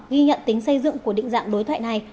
ghi nhận tính xây dựng của định dạng đối thoại này